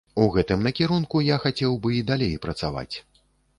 У гэтым накірунку я хацеў бы і далей працаваць.